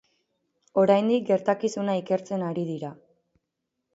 Oraindik gertakizuna ikertzen ari dira.